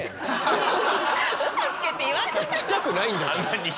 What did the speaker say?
行きたくないんだから。